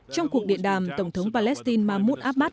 trong cuộc điện đàm tổng thống palestine mahmoud abbas